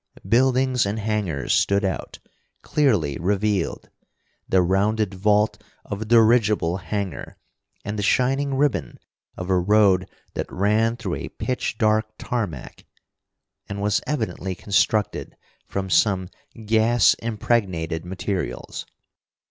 Buildings and hangars stood out, clearly revealed; the rounded vault of a dirigible hangar, and the shining ribbon of a road that ran through a pitch dark tarmac, and was evidently constructed from some gas impregnated materials.